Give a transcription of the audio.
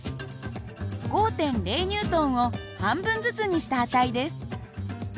５．０Ｎを半分ずつにした値です。